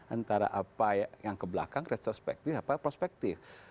antara apa yang ke belakang respective apa prospektif